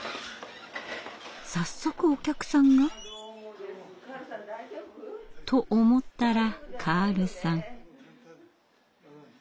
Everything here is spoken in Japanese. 早速お客さんが？と思ったらカールさん。